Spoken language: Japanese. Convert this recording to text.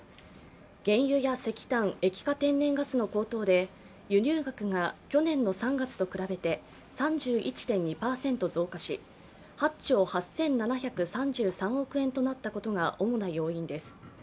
原油や石炭、液化天然ガスの高騰で輸入額が去年の３月と比べて３１．２％増加し、８兆８７３３億円となったことが主な要因です。